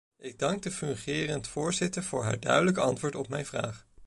Ik dank de fungerend voorzitter voor haar duidelijk antwoord op mijn vraag.